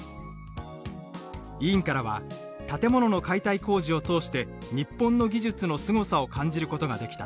委員からは「建物の解体工事を通して日本の技術のすごさを感じることができた。